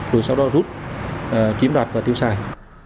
rồi sau đó rút kiếm đoạt và tiêu xài